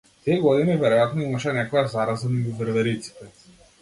Тие години веројатно имаше некоја зараза меѓу вервериците.